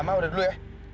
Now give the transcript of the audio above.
ma udah dulu ya